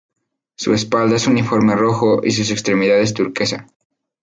Su espalda es uniforme rojo y sus extremidades turquesa.